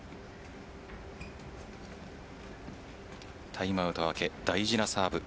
タイムアウト明け大事なサーブ。